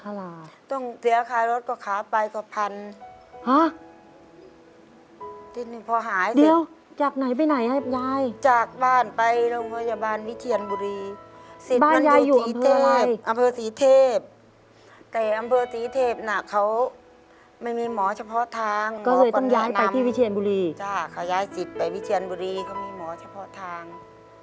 ออารที่สุดนี่ก็คือออารที่สุดนี่ก็คือออารที่สุดนี่ก็คือออารที่สุดนี่ก็คือออารที่สุดนี่ก็คือออารที่สุดนี่ก็คือออารที่สุดนี่ก็คือออารที่สุดนี่ก็คือออารที่สุดนี่ก็คือออารที่สุดนี่ก็คือออารที่สุดนี่ก็คือออารที่สุดนี่ก็คือออารที่สุดนี่ก็คือออารที่สุดนี่ก็ค